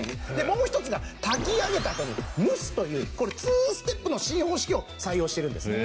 もう一つが炊き上げたあとに蒸すというツーステップの新方式を採用してるんです。